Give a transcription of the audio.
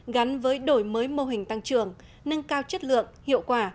gắn với đổi mới mô hình tăng trưởng nâng cao chất lượng hiệu quả